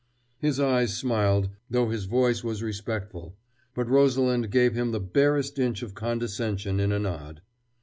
His eyes smiled, though his voice was respectful, but Rosalind gave him the barest inch of condescension in a nod.